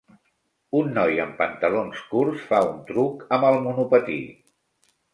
Un noi amb pantalons curts fa un truc amb el monopatí.